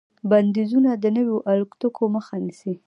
بندیزونه د نویو الوتکو مخه نیسي.